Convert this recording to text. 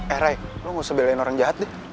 eh ray lo gak usah beliin orang jahat deh